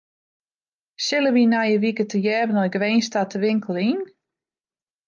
Sille wy nije wike tegearre nei Grins ta te winkeljen?